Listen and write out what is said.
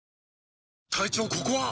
隊長ここは？